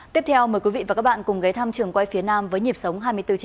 tiếp theo mời quý vị và các bạn cùng ghe thăm trường quay phía nam với nhịp sống hai mươi bốn h